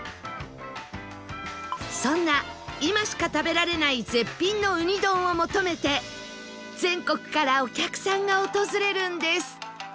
そんな今しか食べられない絶品のうに丼を求めて全国からお客さんが訪れるんです